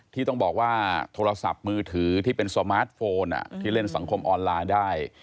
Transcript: ที่ต้องบอกว่าโทรศัพท์มือถือที่เป็นสมาร์ทโฟนที่เล่นสังคมออนไลน์ได้